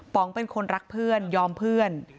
เป็นคนรักเพื่อนยอมเพื่อน